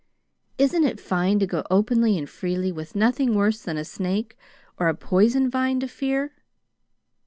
Isn't it fine to go openly and freely, with nothing worse than a snake or a poison vine to fear?"